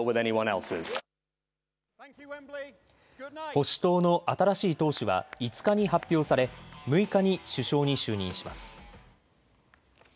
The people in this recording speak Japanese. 保守党の新しい党首は５日に発表され６日に首相に就任します。